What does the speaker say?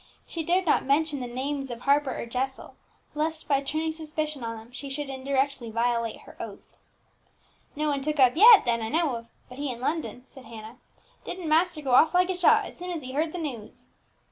She dared not mention the names of Harper or Jessel, lest, by turning suspicion on them, she should indirectly violate her oath. "No one took up yet, that I know of, but he in London," said Hannah. "Didn't master go off like a shot, as soon as he heard the news!"